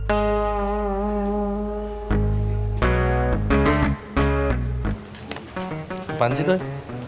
apaan sih doi